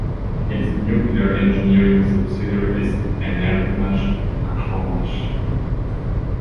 Its nuclear engineering subsidiary is Energomash-Atommash.